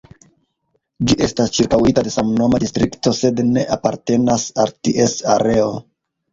Ĝi estas ĉirkaŭita de samnoma distrikto, sed ne apartenas al ties areo.